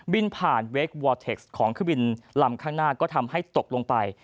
ผ่านเวควอลเทคของเครื่องบินลำข้างหน้าก็ทำให้ตกลงไป